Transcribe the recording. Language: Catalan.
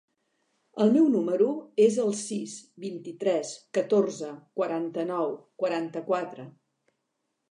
El meu número es el sis, vint-i-tres, catorze, quaranta-nou, quaranta-quatre.